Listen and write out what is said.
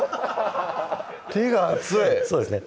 手が熱いそうですね